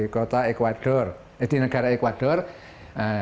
ini adalah garis membelah belahan utara dan selatan bumi